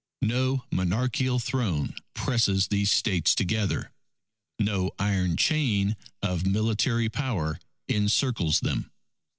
No monarchical throne presses these States together. No iron chain of military power encircles them.